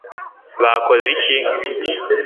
bakoze iki